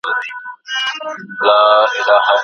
راټول سوي اطلاعات باید په سم ډول تجزیه سي.